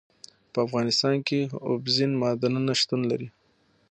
په افغانستان کې اوبزین معدنونه شتون لري.